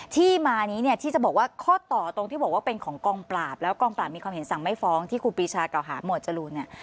ที่มานี้เนี่ยที่จะบอกว่าข้อต่อตรงที่บอกว่าเป็นของกองปราบแล้วกองปราบมีความเห็นสั่งไม่ฟ้องที่ครูปีชาเก่าหาหมวดจรูนเนี่ย